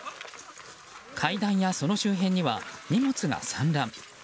階段やその周辺には荷物が散乱。